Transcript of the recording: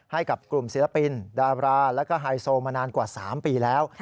ให้กับกลุ่มศิลปินดาราแล้วก็ไฮโซมานานกว่า๓ปีแล้ว